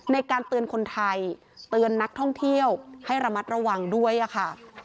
ในการเตือนคนไทยเตือนนักท่องเที่ยวให้ระมัดระวังด้วยค่ะ